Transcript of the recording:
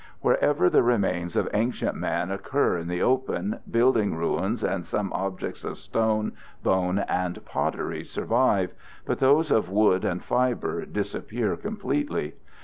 Wherever the remains of ancient man occur in the open, building ruins and some objects of stone, bone, and pottery survive, but those of wood and fiber disappear completely.